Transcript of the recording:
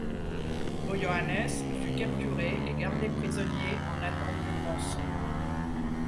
Boioannès fut capturé et gardé prisonnier en attente d'une rançon.